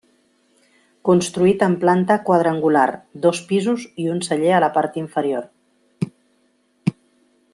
Construït en planta quadrangular, dos pisos i un celler a la part inferior.